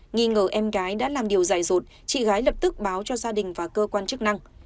nghi ngờ em gái đã làm điều dài rụt chị gái lập tức báo cho gia đình và cơ quan chức năng